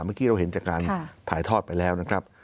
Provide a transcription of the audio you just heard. เมื่อกี้เราเห็นจากการถ่ายทอดไปแล้วนะครับ